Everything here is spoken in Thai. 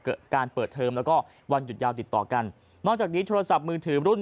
การเปิดเทอมแล้วก็วันหยุดยาวติดต่อกันนอกจากนี้โทรศัพท์มือถือรุ่น